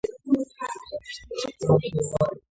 შემდეგ შევიდა ავსტრია-უნგრეთის შემადგენლობაში.